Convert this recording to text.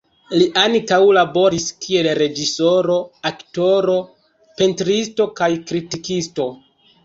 Li ankaŭ laboris kiel reĝisoro, aktoro, pentristo kaj kritikisto.